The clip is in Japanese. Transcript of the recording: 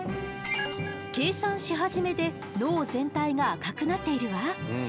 計算し始めで脳全体が赤くなっているわ。